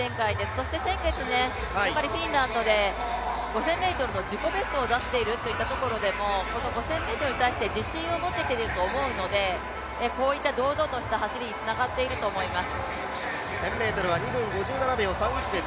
そして先月、フィンランドで５０００ｍの自己ベストを出しているといったところでもこの５０００ｍに対して自信を持てていると思うので、こういった堂々とした走りにつながっていると思います。